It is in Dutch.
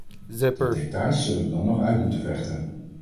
De details zullen we dan nog uit moeten vechten.